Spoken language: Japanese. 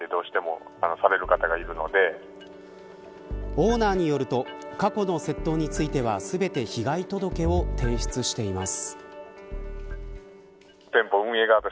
オーナーによると過去の窃盗については全て被害届を提出しています。